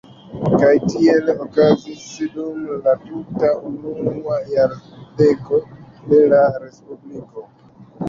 Kaj tiele okazis dum la tuta unua jardeko de la Respubliko.